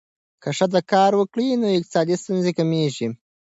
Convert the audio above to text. که ښځه کار وکړي، نو اقتصادي ستونزې کمېږي.